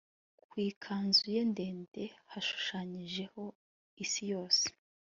ku ikanzu ye ndende, hashushanyijeho isi yose